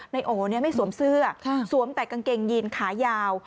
นายโอไม่สวมเสื้อสวมแต่กางเกงยีนขายาว